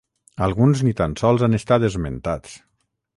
Alguns ni tan sols han estat esmentats.